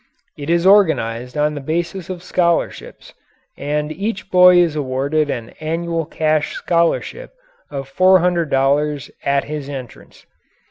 It is organized on the basis of scholarships and each boy is awarded an annual cash scholarship of four hundred dollars at his entrance.